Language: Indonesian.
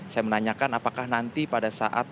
saya menanyakan apakah nanti pada saat